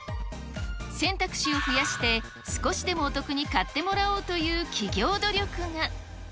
選択肢を増やして、少しでもお得に買ってもらおうという企業努力が。